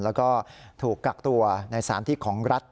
แล้วก็ถูกกักตัวในสารที่ของรัฐ